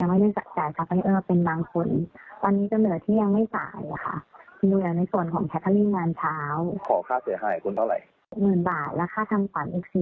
๖หมื่นบาทและค่าทำฝันอีก๔หมื่นบาทค่ะ